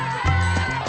tuk tuk tuk